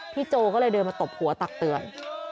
โจก็เลยเดินมาตบหัวตักเตือน